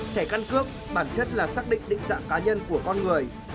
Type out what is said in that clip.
thẻ căn cước bản chất là xác định định dạng cá nhân của con người